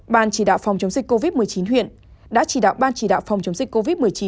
ban chỉ đạo phòng chống dịch covid một mươi chín huyện đã chỉ đạo ban chỉ đạo phòng chống dịch covid một mươi chín